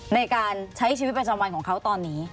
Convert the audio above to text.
ในการใช้ชีวิตประจำวันของเขาตอนนี้